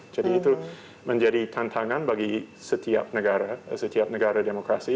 jadi itu menjadi tantangan bagi setiap negara setiap negara demokrasi